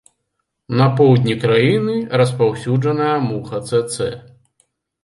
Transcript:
На поўдні краіны распаўсюджаная муха цэцэ.